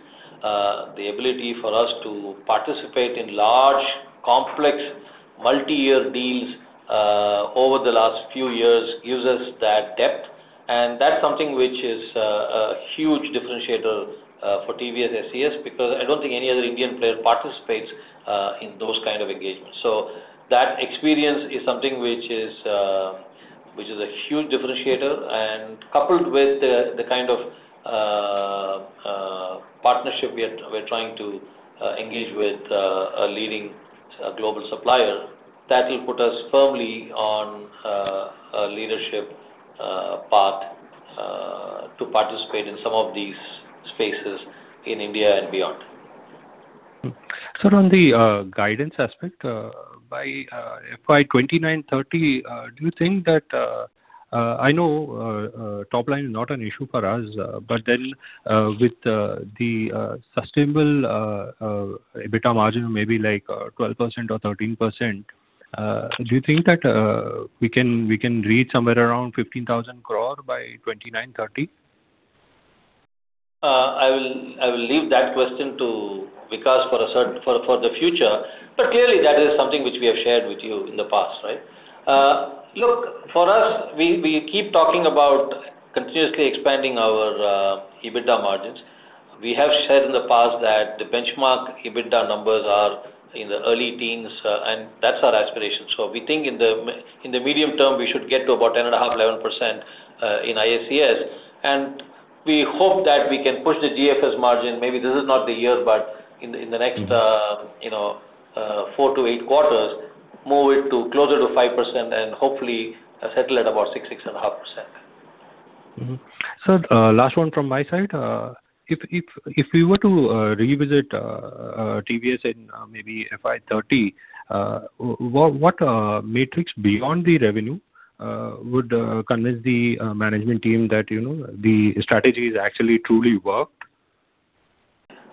the ability for us to participate in large, complex, multi-year deals over the last few years gives us that depth, and that's something which is a huge differentiator for TVS SCS because I don't think any other Indian player participates in those kind of engagements. That experience is something which is a huge differentiator and coupled with the kind of partnership we're trying to engage with a leading global supplier, that will put us firmly on a leadership path to participate in some of these spaces in India and beyond. Sir, on the guidance aspect, by FY 2029/2030, I know top line is not an issue for us, but then with the sustainable EBITDA margin maybe like 12% or 13%, do you think that we can reach somewhere around 15,000 crore by 2029/2030? I will leave that question to Vikas for the future. Clearly, that is something which we have shared with you in the past, right? Look, for us, we keep talking about continuously expanding our EBITDA margins. We have shared in the past that the benchmark EBITDA numbers are in the early teens, and that’s our aspiration. We think in the medium term, we should get to about 10.5%-11% in ISCS. We hope that we can push the GFS margin, maybe this is not the year, but in the next four to eight quarters, move it closer to 5% and hopefully settle at about 6%-6.5%. Sir, last one from my side. If we were to revisit TVS in maybe FY 2030, what metrics beyond the revenue would convince the management team that the strategies actually truly worked?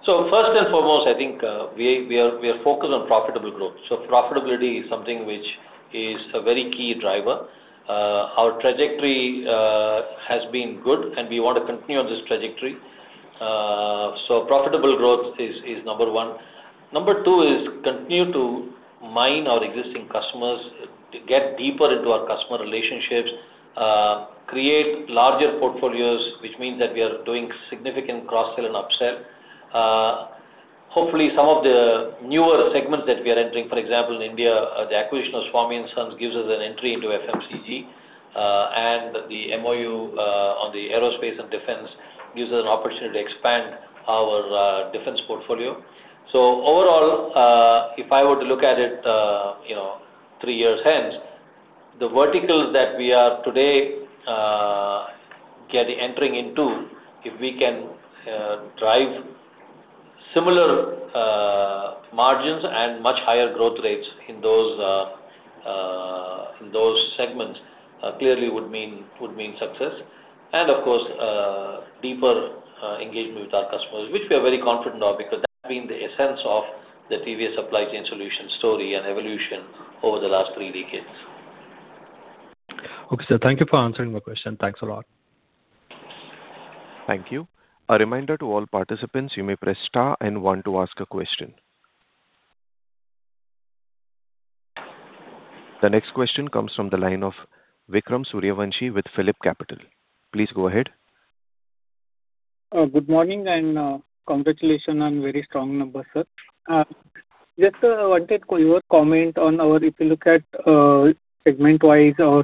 First and foremost, I think we are focused on profitable growth. Profitability is something which is a very key driver. Our trajectory has been good, and we want to continue on this trajectory. Profitable growth is number one. Number two is continue to mine our existing customers, get deeper into our customer relationships, create larger portfolios, which means that we are doing significant cross-sell and upsell. Hopefully, some of the newer segments that we are entering, for example, in India, the acquisition of Swamy & Sons gives us an entry into FMCG, and the MoU on the aerospace and defense gives us an opportunity to expand our defense portfolio. Overall, if I were to look at it three years hence, the verticals that we are today entering into, if we can drive similar margins and much higher growth rates in those segments, clearly would mean success. Of course, deeper engagement with our customers, which we are very confident of because that’s been the essence of the TVS Supply Chain Solutions story and evolution over the last three decades. Okay, sir. Thank you for answering my question. Thanks a lot. Thank you. A reminder to all participants you may press star and one to ask a question. The next question comes from the line of Vikram Suryavanshi with PhillipCapital. Please go ahead. Good morning and congratulations on very strong numbers, sir. Just wanted your comment on if you look at segment-wise our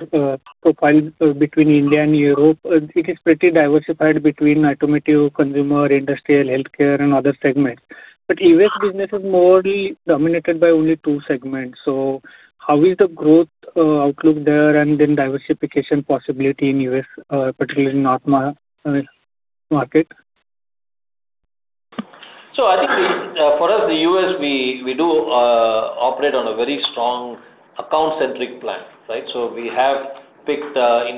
profile between India and Europe, it is pretty diversified between automotive, consumer, industrial, healthcare, and other segments. U.S. business is more dominated by only two segments. How is the growth outlook there and then diversification possibility in U.S., particularly in North America market? I think for us, the U.S., we do operate on a very strong account-centric plan, right? It has been the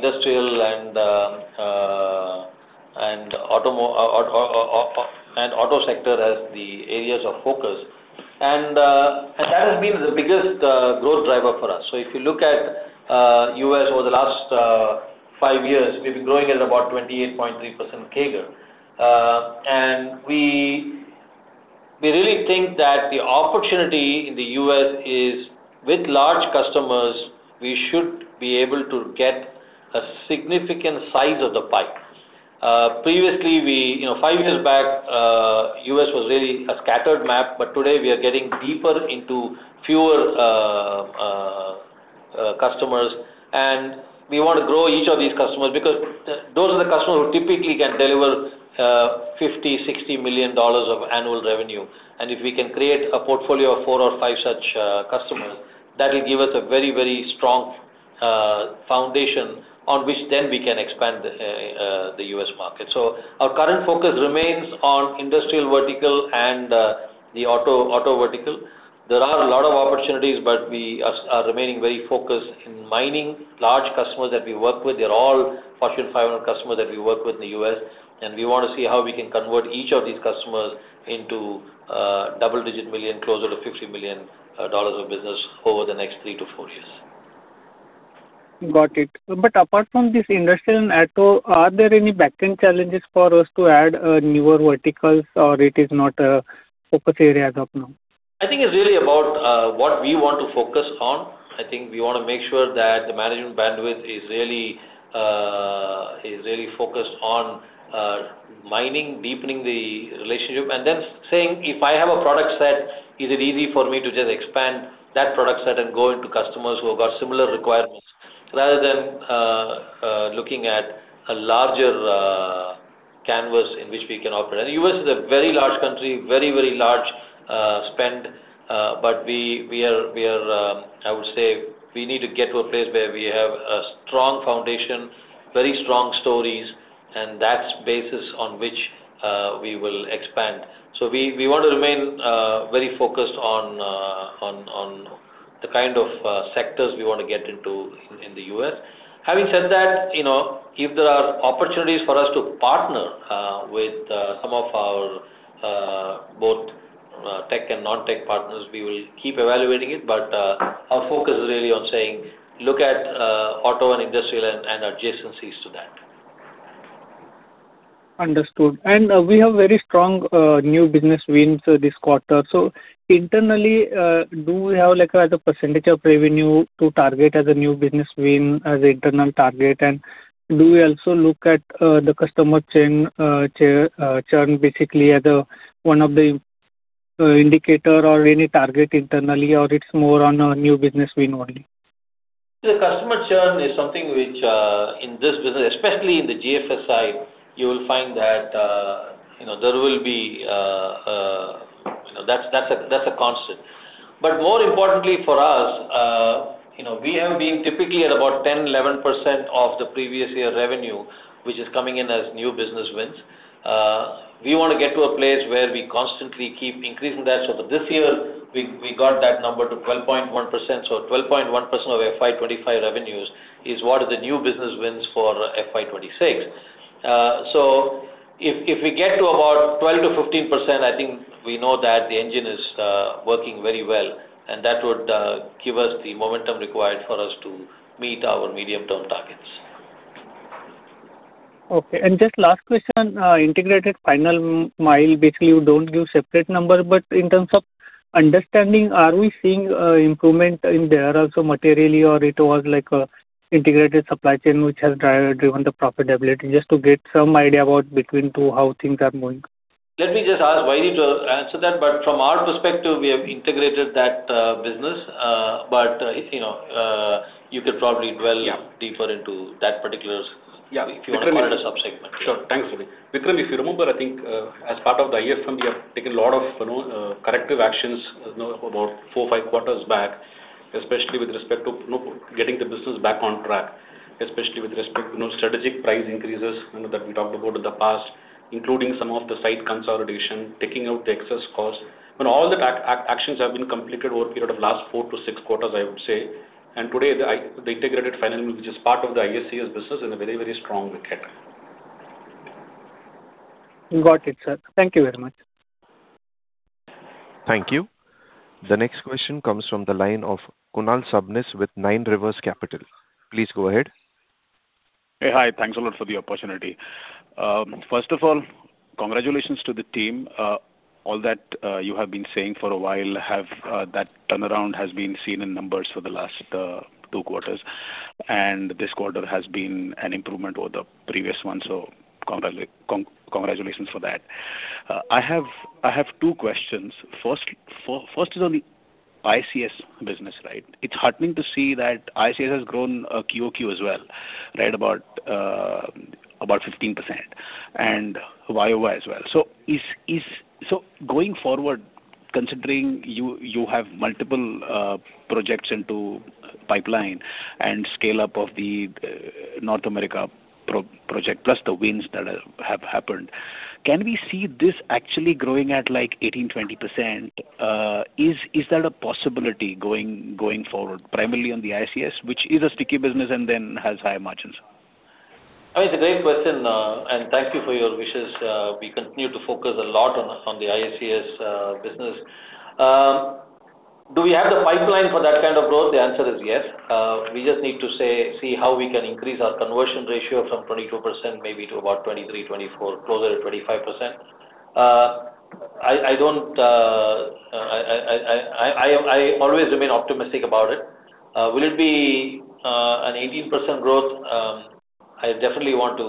biggest growth driver for us. If you look at the U.S. over the last five years, we've been growing at about 28.3% CAGR. We really think that the opportunity in the U.S. is with large customers, we should be able to get a significant size of the pie. Previously, five years back, the U.S. was really a scattered map, but today we are getting deeper into fewer customers, and we want to grow each of these customers because those are the customers who typically can deliver $50 million, $60 million of annual revenue. If we can create a portfolio of four or five such customers, that will give us a very strong foundation on which we can expand the U.S. market. Our current focus remains on industrial vertical and the auto vertical. There are a lot of opportunities, but we are remaining very focused in mining large customers that we work with. They’re all Fortune 500 customers that we work with in the U.S., and we want to see how we can convert each of these customers into double-digit million, closer to $50 million of business over the next three to four years. Got it. Apart from this industrial and auto, are there any backend challenges for us to add newer verticals or it is not a focus area as of now? I think it's really about what we want to focus on. I think we want to make sure that the management bandwidth is really focused on mining, deepening the relationship, and then saying, if I have a product set, is it easy for me to just expand that product set and go into customers who have got similar requirements rather than looking at a larger canvas in which we can operate? U.S. is a very large country, very large spend, but I would say we need to get to a place where we have a strong foundation, very strong stories, and that's basis on which we will expand. We want to remain very focused on the kind of sectors we want to get into in the U.S. Having said that, if there are opportunities for us to partner with some of our both tech and non-tech partners, we will keep evaluating it. Our focus is really on saying, look at auto and industrial and adjacencies to that. Understood. We have very strong new business wins this quarter. Internally, do we have a percentage of revenue to target as a new business win as internal target? Do we also look at the customer churn basically as one of the indicator or any target internally, or it's more on a new business win only? The customer churn is something which, in this business, especially in the GFS side, you will find that that's a constant. More importantly for us, we have been typically at about 10%-11% of the previous year revenue, which is coming in as new business wins. We want to get to a place where we constantly keep increasing that. This year, we got that number to 12.1%. 12.1% of FY 2025 revenues is what is the new business wins for FY 2026. If we get to about 12%-15%, I think we know that the engine is working very well, and that would give us the momentum required for us to meet our medium-term targets. Okay, just last question, Integrated Final Mile, basically, you don't give separate number, but in terms of understanding, are we seeing improvement in there also materially or it was like a Integrated Supply Chain which has driven the profitability? Just to get some idea about between two, how things are moving. Let me just ask Vaidhy to answer that. From our perspective, we have integrated that business. You can probably dwell deeper into that particular sub-segment. Sure. Thanks, Ravi. Vikram, if you remember, I think as part of the IFM, we have taken a lot of corrective actions about four, five quarters back, especially with respect to getting the business back on track, especially with respect to strategic price increases that we talked about in the past, including some of the site consolidation, taking out the excess cost. All the actions have been completed over the period of last four to six quarters, I would say. Today, the Integrated Final Mile, which is part of the ISCS business, is in a very, very strong wicket. Got it, sir. Thank you very much. Thank you. The next question comes from the line of Kunal Sabnis with Nine Rivers Capital. Please go ahead. Hey. Hi. Thanks a lot for the opportunity. First of all, congratulations to the team. All that you have been saying for a while, that turnaround has been seen in numbers for the last two quarters, and this quarter has been an improvement over the previous one. Congratulations for that. I have two questions. First is on the ISCS business side. It heartening to see that ISCS has grown QoQ as well at about 15%, and YoY as well. Going forward, considering you have multiple projects into pipeline and scale-up of the North America project, plus the wins that have happened, can we see this actually growing at 18%, 20%? Is that a possibility going forward, primarily on the ISCS, which is a sticky business and then has high margins? It's a great question and thank you for your wishes. We continue to focus a lot on the ISCS business. Do we have the pipeline for that kind of growth? The answer is yes. We just need to see how we can increase our conversion ratio from 22%, maybe to about 23%, 24%, closer to 25%. I always remain optimistic about it. Will it be an 18% growth? I definitely want to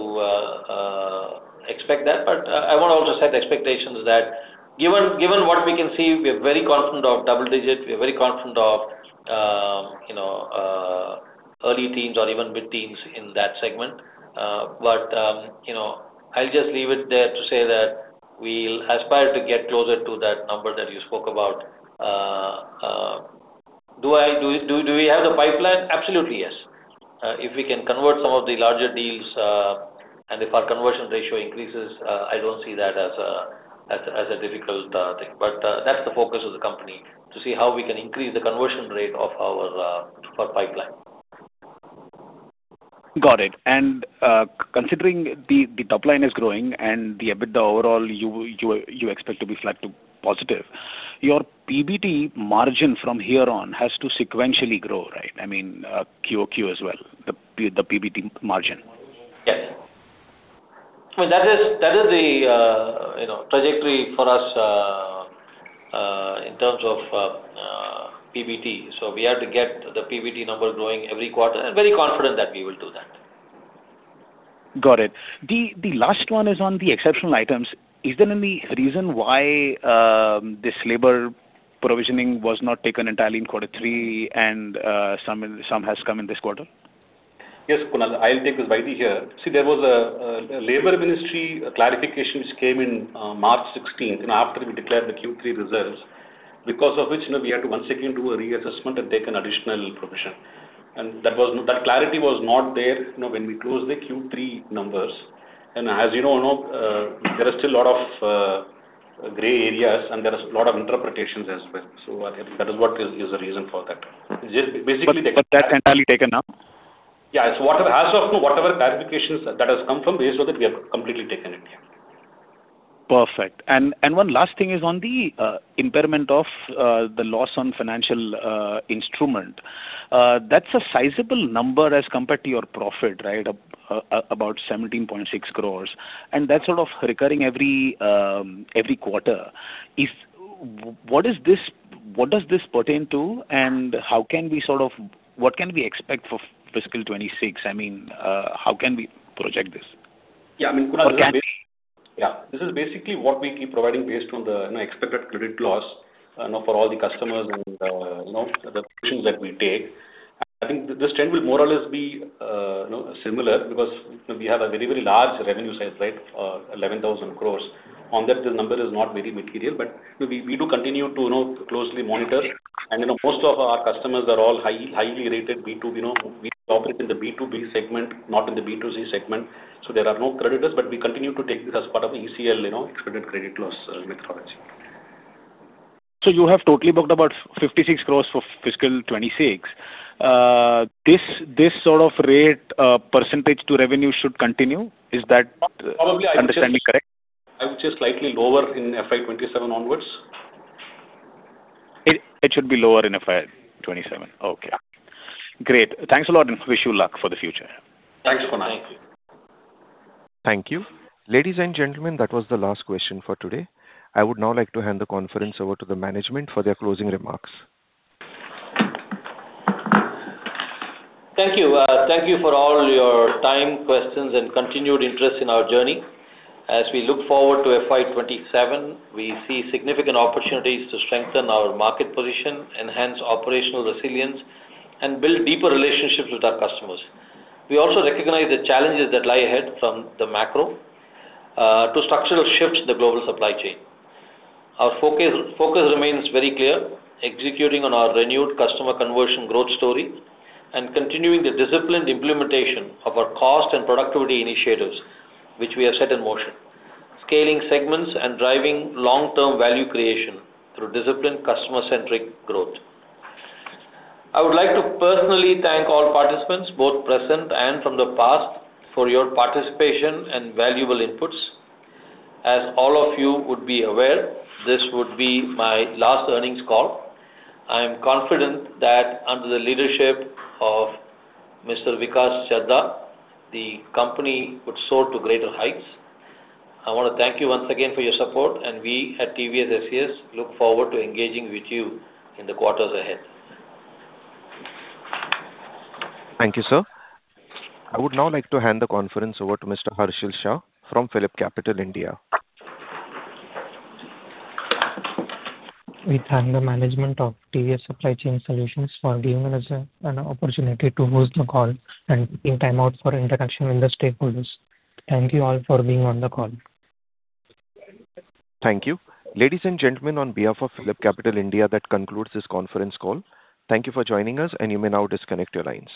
expect that, but I want to also set expectations that given what we can see, we're very confident of double digits, we're very confident of early teens or even mid-teens in that segment. I'll just leave it there to say that we'll aspire to get closer to that number that you spoke about. Do we have the pipeline? Absolutely, yes. If we can convert some of the larger deals, if our conversion ratio increases, I don't see that as a difficult thing. That's the focus of the company, to see how we can increase the conversion rate of our pipeline. Got it. Considering the top line is growing and the EBITDA overall, you expect to be flat to positive. Your PBT margin from here on has to sequentially grow, right? I mean, QoQ as well, the PBT margin. Yes. That is the trajectory for us in terms of PBT. We have to get the PBT number growing every quarter. I'm very confident that we will do that. Got it. The last one is on the exceptional items. Is there any reason why this labor provisioning was not taken entirely in quarter three and some has come in this quarter? Yes, Kunal, I'll take this. See, there was a labor ministry clarification which came in March 16th after we declared the Q3 results, because of which, we had to once again do a reassessment and take an additional provision. That clarity was not there when we closed the Q3 numbers. As you know, there are still a lot of gray areas, and there are a lot of interpretations as well. I think that is the reason for that. That can be taken up. Yeah. As of now, whatever clarification that has come from there, based on that, we have completely taken it. Perfect. One last thing is on the impairment of the loss on financial instrument. That’s a sizable number as compared to your profit. About 17.6 crore. That’s sort of recurring every quarter. What does this pertain to? What can we expect for FY 2026? I mean, how can we project this? Yeah, I mean. For the guidance. Yeah. This is basically what we keep providing based on the expected credit loss for all the customers and the provisions that we take. I think this trend will more or less be similar because we have a very large revenue size, 11,000 crore. On that, the number is not very material, but we do continue to closely monitor. Most of our customers are all highly rated B2. We operate in the B2B segment, not in the B2C segment. There are no credits, but we continue to take this as part of the ECL credit loss methodology. You have totally booked about 56 crore for FY 2026. This sort of rate percentage to revenue should continue. Is that understanding correct? Probably, yeah, it should be slightly lower in FY 2027 onwards. It should be lower in FY 2027. Okay. Great. Thanks a lot and wish you luck for the future. Thanks, Kunal. Thank you. Ladies and gentlemen, that was the last question for today. I would now like to hand the conference over to the management for their closing remarks. Thank you. Thank you for all your time, questions, and continued interest in our journey. As we look forward to FY 2027, we see significant opportunities to strengthen our market position, enhance operational resilience, and build deeper relationships with our customers. We also recognize the challenges that lie ahead from the macro to structural shifts in the global supply chain. Our focus remains very clear: executing on our renewed customer conversion growth story and continuing the disciplined implementation of our cost and productivity initiatives, which we have set in motion, scaling segments and driving long-term value creation through disciplined customer-centric growth. I would like to personally thank all participants, both present and from the past, for your participation and valuable inputs. As all of you would be aware, this would be my last earnings call. I'm confident that under the leadership of Mr. Vikas Chadha, the company would soar to greater heights. I want to thank you once again for your support, and we at TVS SCS look forward to engaging with you in the quarters ahead. Thank you, sir. I would now like to hand the conference over to Mr. Harshil Shah from PhillipCapital India. We thank the management of TVS Supply Chain Solutions for giving us an opportunity to host the call and paying time out for interaction with the stakeholders. Thank you all for being on the call. Thank you. Ladies and gentlemen, on behalf of PhillipCapital India, that concludes this conference call. Thank you for joining us, and you may now disconnect your lines.